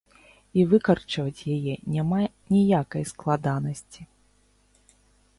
І выкарчаваць яе няма ніякай складанасці.